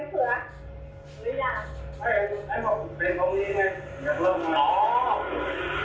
ใช่พี่จะรอบทำไม